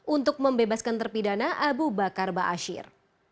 untuk membebaskan terpidana abu bakar ba'asyir